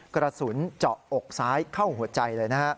กระสุนเจาะอกซ้ายเข้าหัวใจเลยนะฮะ